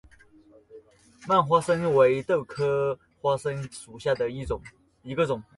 蔓花生为豆科花生属下的一个种。